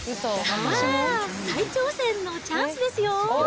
さあ、再挑戦のチャンスですよ。